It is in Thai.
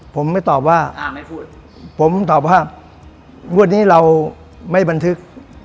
ผมไม่ตอบว่าไม่พูดผมตอบว่างวดนี้เราไม่บันทึก